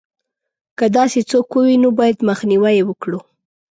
که داسې څوک ووینو باید مخنیوی یې وکړو.